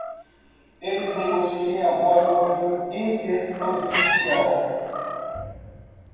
Eles negociam o Acordo Interprovincial.